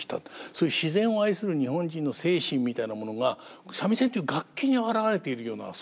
そういう自然を愛する日本人の精神みたいなものが三味線っていう楽器に表れているようなそんな感じがしますね。